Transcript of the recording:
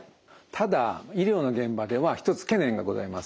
ただ医療の現場では１つ懸念がございます。